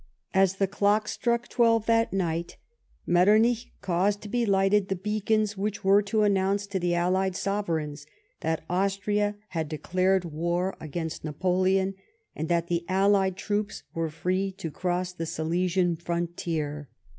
As the clock struck twelve that night Metternich caused to be lighted the beacons which were to announce to the allied sovereigns that Austria had declared war against Xapoleon, and that the allied troops were free to cross the Silesian frontier.